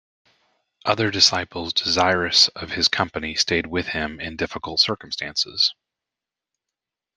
Other disciples desirous of his company stayed with him in difficult circumstances.